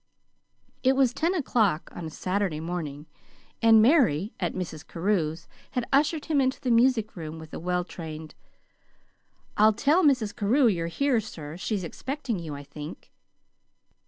It was ten o'clock on a Saturday morning, and Mary, at Mrs. Carew's, had ushered him into the music room with a well trained: "I'll tell Mrs. Carew you're here, sir. She's expecting you, I think."